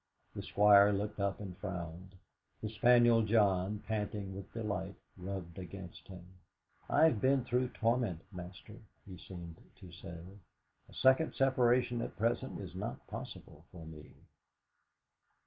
The Squire looked up and frowned. The spaniel John, panting with delight, rubbed against him. 'I have been through torment, master,' he seemed to say. 'A second separation at present is not possible for me!'